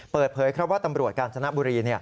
เปิดเผยครับว่าตำรวจกาญจนบุรี